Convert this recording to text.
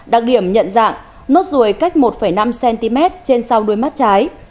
đặc điểm nhận dạng nốt ruồi cách một năm cm trên sau đuôi mắt trái